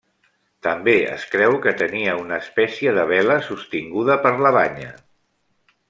També es creu que tenia una espècie de vela, sostinguda per la banya.